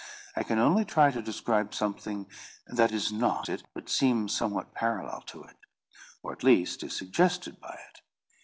I can only try to describe something that is not it, but seems somewhat parallel to it; or at least is suggested by it.